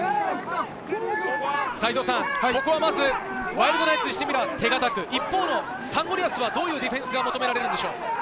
ここはまずワイルドナイツにしてみれば手堅く、サンゴリアスはどういうディフェンスが求められるでしょう？